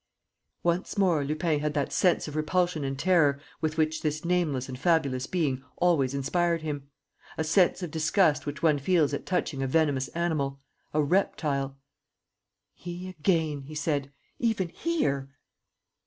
Once more, Lupin had that sense of repulsion and terror with which this nameless and fabulous being always inspired him, a sense of disgust which one feels at touching a venomous animal, a reptile: "He again," he said. "Even here!"